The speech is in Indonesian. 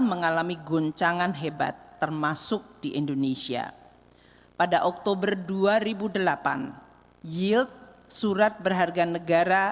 mengalami goncangan hebat termasuk di indonesia pada oktober dua ribu delapan yield surat berharga negara